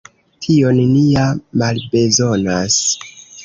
Tion ni ja malbezonas.